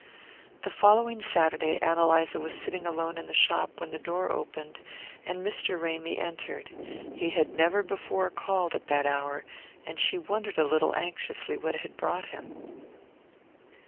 The following Saturday Ann Eliza was sitting alone in the shop when the door opened and Mr. Ramy entered. He had never before called at that hour, and she wondered a little anxiously what had brought him.